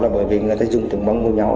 bởi vì người ta dùng tiếng mông với nhau